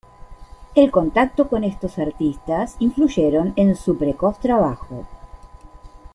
El contacto con estos artistas influyeron en su precoz trabajo.